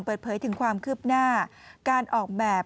เปิดเผยถึงความคืบหน้าการออกแบบ